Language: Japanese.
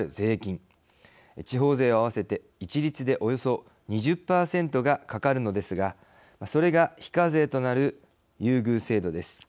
地方税を合わせて一律でおよそ２０％がかかるのですがそれが非課税となる優遇制度です。